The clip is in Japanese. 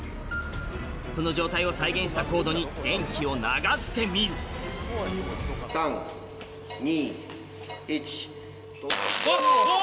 その状態を再現したコードに電気を流してみるうわ！